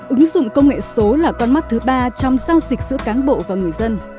ứng dụng công nghệ số là con mắt thứ ba trong giao dịch giữa cán bộ và người dân